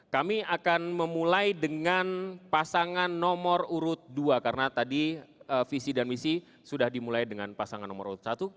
kami akan memulai dengan pasangan nomor urut dua karena tadi visi dan misi sudah dimulai dengan pasangan nomor urut satu